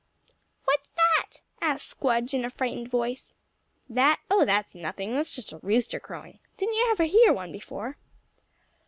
"What's that?" asked Squdge in a frightened voice. "That? Oh, that's nothing. That's just a rooster crowing. Didn't you ever hear one before?"